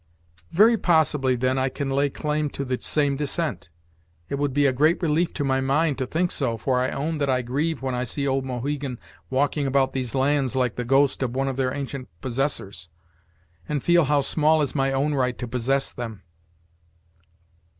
"Very possibly, then, I can lay claim to the same de scent It would be a great relief to my mind to think so, for I own that I grieve when I see old Mohegan walking about these lands like the ghost of one of their ancient possessors, and feel how small is my own right to possess them."